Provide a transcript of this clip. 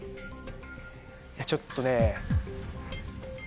ちょっとね。